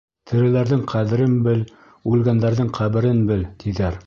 Тереләрҙең ҡәҙерен бел, үлгәндәрҙең ҡәберен бел, тиҙәр.